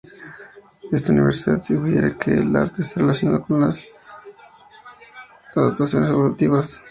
Esta universalidad sugiere que el arte está relacionado con las adaptaciones evolutivas.